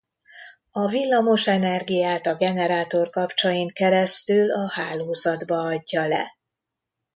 A villamos energiát a generátor kapcsain keresztül a hálózatba adja le.